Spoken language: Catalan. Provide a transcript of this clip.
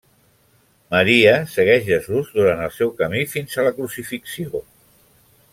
Maria segueix Jesús durant el seu camí fins a la Crucifixió.